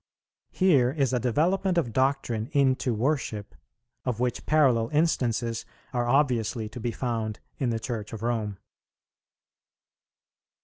Here is a development of doctrine into worship, of which parallel instances are obviously to be found in the Church of Rome.